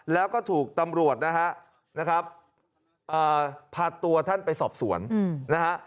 แล้วก็ถูกตำรวจนะฮะนะครับพาตัวท่านไปสอบสวนนะฮะ